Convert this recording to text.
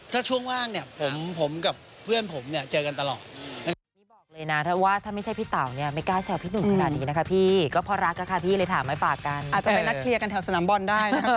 ถ้าช่วงว่างเนี่ยผมกับเพื่อนผมเนี่ยเจอกันตลอด